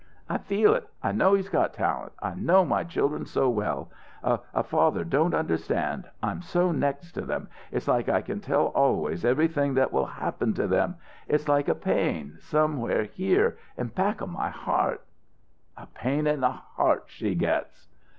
"I feel it! I know he's got talent! I know my children so well. A a father don't understand. I'm so next to them. It's like I can tell always everything that will happen to them it's like a pain somewheres here in back of my heart." "A pain in the heart she gets!"